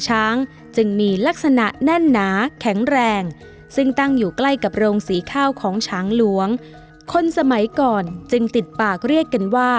จึงมีลักษณะแน่นหนาแข็งแรงซึ่งตั้งอยู่ใกล้กับโรงสีข้าวของช้างหลวงคนสมัยก่อนจึงติดปากเรียกกันว่า